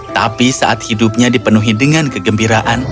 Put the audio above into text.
tapi saat hidupnya dipenuhi dengan kegembiraan